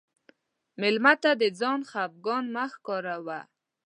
مېلمه ته د ځان خفګان مه ښکاروه.